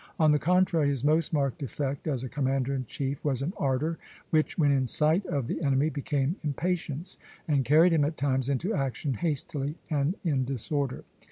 On the contrary, his most marked defect as a commander in chief was an ardor which, when in sight of the enemy, became impatience, and carried him at times into action hastily and in disorder.